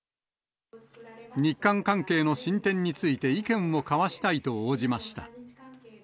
日韓関係の進展について意見を交わしたいと応じました。